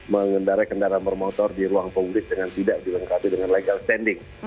mengendarai kendaraan bermotor di ruang publik dengan tidak dilengkapi dengan legal standing